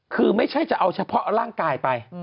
คือไม่ใช่จะเอาเฉพาะร่างกายไป